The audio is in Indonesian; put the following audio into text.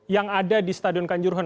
yang ada di stadion kanjuruhan